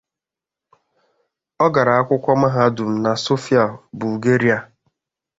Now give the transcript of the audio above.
Ọ gara akwụkwọ Mahadum na Sofia, Bulgaria.